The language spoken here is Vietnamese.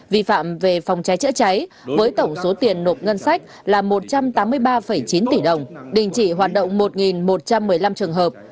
vi phạm về phòng cháy chữa cháy với tổng số tiền nộp ngân sách là một trăm tám mươi ba chín tỷ đồng đình chỉ hoạt động một một trăm một mươi năm trường hợp